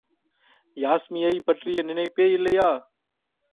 யாஸ்மியைப் பற்றிய நினைப்பே இல்லையா?